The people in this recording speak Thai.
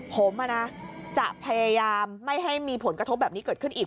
ผมจะพยายามไม่ให้มีผลกระทบแบบนี้เกิดขึ้นอีก